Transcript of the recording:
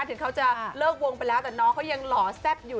ถึงเขาจะเลิกวงไปแล้วแต่น้องเขายังหล่อแซ่บอยู่